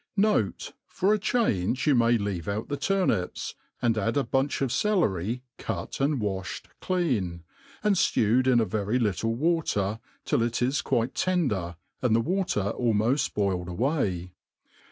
Note, For a change yoti may Ic^vc out the turnips, and add a bunch of celery cur and waflied cleah, and ftewed in a very little water, tilfit is qui:e tender, and the water almoft boiled away.